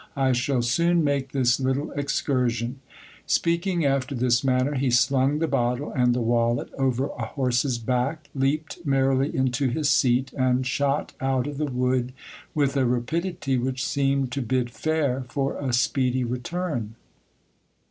I shall soon make this little excursion^ Speaking after this manner, he slung the bottle and the wallet over a horse's back, leaped merrily into his seat, and shot out of the wood with a rapidity which seemed to bid fair for a speedy return.